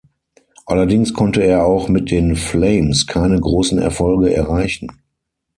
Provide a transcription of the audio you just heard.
Allerdings konnte er auch mit den Flames keine großen Erfolge erreichen.